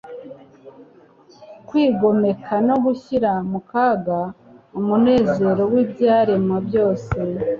kwigomeka no gushyira mu kaga umunezero w'ibyaremwe byose.